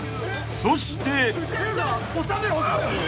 ［そして］